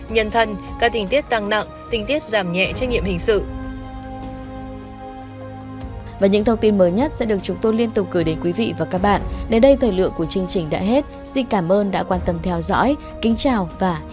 nhân thân các tình tiết tăng nặng tình tiết giảm nhẹ trách nhiệm hình sự